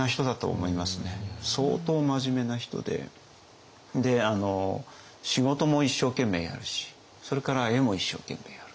相当真面目な人で仕事も一生懸命やるしそれから絵も一生懸命やる。